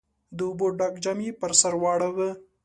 د اوبو ډک جام يې پر سر واړاوه.